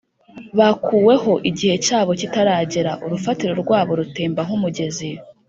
bakuweho igihe cyabo kitaragera, urufatiro rwabo rutemba nk’umugezi